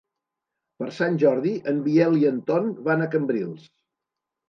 Per Sant Jordi en Biel i en Ton van a Cambrils.